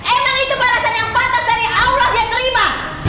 emang itu balasan yang pantas dari allah yang terima